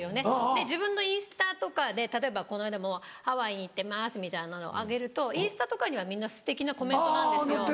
で自分のインスタとかで例えばこの間もハワイに行ってますみたいなのを上げるとインスタとかにはみんなすてきなコメントなんですよ。